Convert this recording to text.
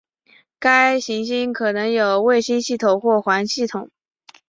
该行星可能有卫星系统或环系统。